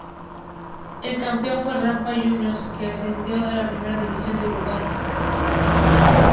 El campeón fue Rampla Juniors, que ascendió a la Primera División de Uruguay.